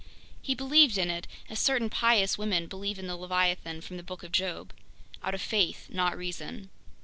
He believed in it as certain pious women believe in the leviathan from the Book of Job—out of faith, not reason.